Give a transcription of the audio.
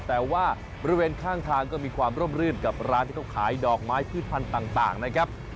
แต่ว่าบริเวณข้างทางก็มีความร่มรื่นกับร้านที่เขาขายดอกไม้พืชพันธุ์ต่างนะครับ